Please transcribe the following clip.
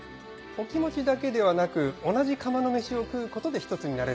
お気持ちだけではなく同じ釜の飯を食うことで一つになれればと。